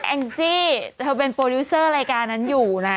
แองจี้เธอเป็นโปรดิวเซอร์รายการนั้นอยู่นะ